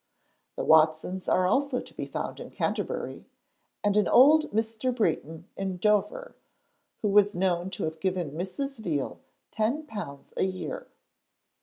The Watsons are also to be found in Canterbury, and an 'old Mr. Breton' in Dover, who was known to have given Mrs. Veal £10 a year.